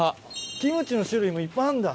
キムチの種類もいっぱいあんだ。